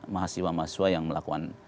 mahasiswa mahasiswa yang melakukan